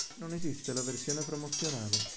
Non esiste la versione promozionale.